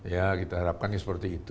ya kita harapkan seperti itu